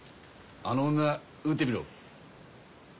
あの女撃ってみろ。